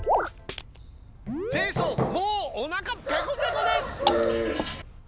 ジェイソンもうおなかペコペコです！